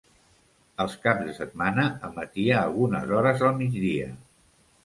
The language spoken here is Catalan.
Els caps de setmana emetia algunes hores al migdia.